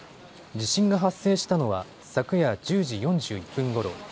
地震が発生したのは昨夜１０時４１分ごろ。